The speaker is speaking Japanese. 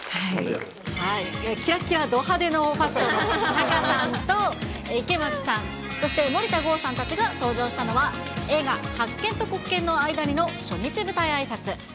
きらっきらど派手なファッションの仲さん、池松さん、そして、森田剛さんたちが登場したのは、映画、白鍵と黒鍵の間にの初日舞台あいさつ。